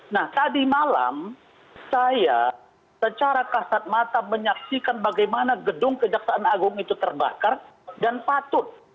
nah tadi malam saya secara kasat mata menyaksikan bagaimana gedung kejaksaan agung itu terbakar dan patut